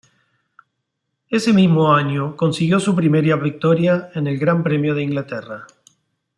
Ese mismo año consiguió su primera victoria en el Gran Premio de Inglaterra.